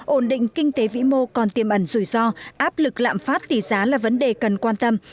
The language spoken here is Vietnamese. ổn định kinh tế vĩ mô còn tiềm ẩn rủi ro áp lực lạm phát tỷ giá là vấn đề cần quan tâm